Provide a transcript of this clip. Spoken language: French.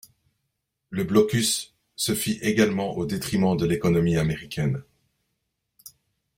Le blocus se fit également au détriment de l'économie américaine.